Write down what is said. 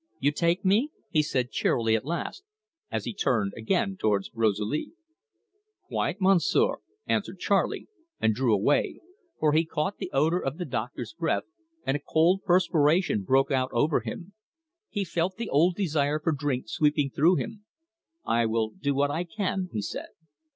"You take me?" he said cheerily at last, as he turned again towards Rosalie. "Quite, Monsieur," answered Charley, and drew away, for he caught the odour of the doctor's breath, and a cold perspiration broke out over him. He felt the old desire for drink sweeping through him. "I will do what I can," he said.